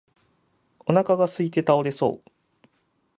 お腹がすいて倒れそう